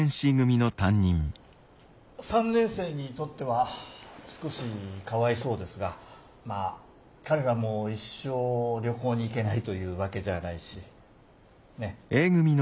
３年生にとっては少しかわいそうですがまあ彼らも一生旅行に行けないというわけじゃないしねっ。